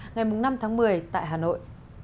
ngày năm tháng một mươi tại hà nội